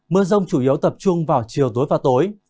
mưa rông chủ yếu tập trung vào chiều tối và tối